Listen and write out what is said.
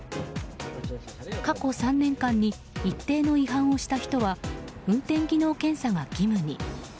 過去３年間に一定の違反をした人は運転技能検査が義務に。